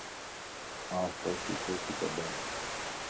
آن ڦوٽو ڪوتي ڪڊائين.